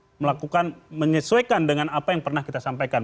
untuk melakukan menyesuaikan dengan apa yang pernah kita sampaikan